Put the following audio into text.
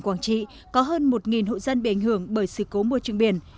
quảng trị có hơn một hộ dân bị ảnh hưởng bởi sự cố môi trường biển